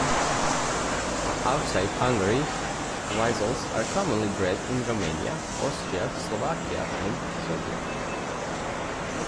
Outside Hungary, vizslas are commonly bred in Romania, Austria, Slovakia, and Serbia.